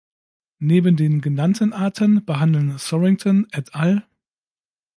Neben den genannten Arten behandeln Thorington et al.